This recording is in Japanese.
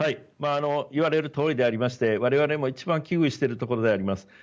言われるとおりでありまして我々も一番危惧しているところであります。